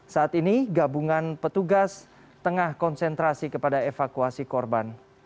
saat ini gabungan petugas tengah konsentrasi kepada evakuasi korban